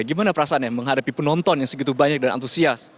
gimana perasaannya menghadapi penonton yang segitu banyak dan antusias